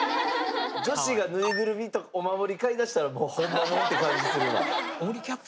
女子がぬいぐるみとお守り買いだしたらもうホンマもんって感じするわ。